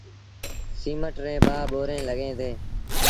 سيٚمٽ ريٚݩ ٻآ ٻوريٚݩ لڳيٚن ديٚݩ۔